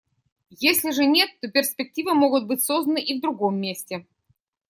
Если же нет, то перспективы могут быть созданы и в другом месте.